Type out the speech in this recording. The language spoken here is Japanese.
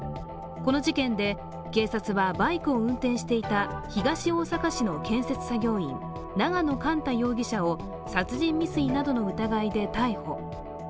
この事件で警察はバイクを運転していた東大阪市の建設作業員、永野莞太容疑者を殺人未遂などの疑いで逮捕。